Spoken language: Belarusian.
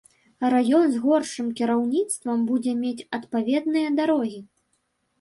Раён з горшым кіраўніцтвам будзе мець адпаведныя дарогі.